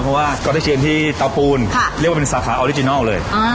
เพราะว่าก๊อติ๊กเจียนที่เตาปูนเรียกว่าเป็นสาขาออริจินัลเลย